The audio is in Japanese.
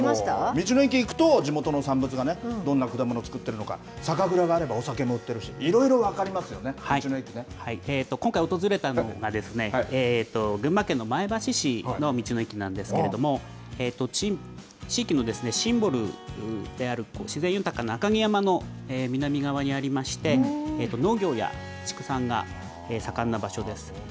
道の駅行くと、地元の産物がどんな果物作っているのか、酒蔵があれば、お酒も売ってるし、いろいろ分かりますよね、道の駅今回訪れたのが、群馬県の前橋市の道の駅なんですけれども、地域のシンボルである自然豊かな赤城山の南側にありまして、農業や畜産が盛んな場所です。